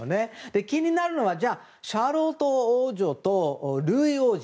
気になるのはじゃあ、シャーロット王女とルイ王子。